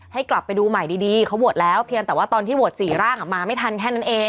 ให้กลับไปดูใหม่ดีเขาโหวตแล้วเพียงแต่ว่าตอนที่โหวต๔ร่างมาไม่ทันแค่นั้นเอง